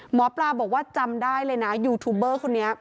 หมอปลาบอกว่าจำได้เลยนะยูทูบเบอร์คนนี้